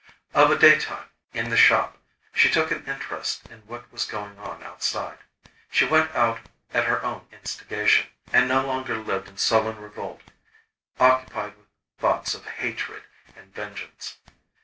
Of a daytime, in the shop, she took an interest in what was going on outside; she went out at her own instigation, and no longer lived in sullen revolt, occupied with thoughts of hatred and vengeance.